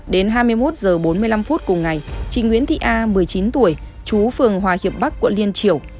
đến hai mươi một h bốn mươi năm phút cùng ngày chị nguyễn thị a một mươi chín tuổi chú phường hòa hiệp bắc quận liên triều